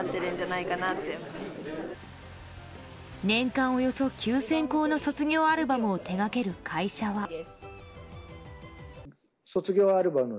年間およそ９０００校の卒業アルバムを手掛ける会社は。